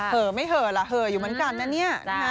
เหอไม่เหอะล่ะเหอะอยู่เหมือนกันนะเนี่ย